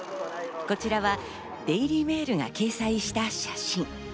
こちらはデイリーメールが掲載した写真。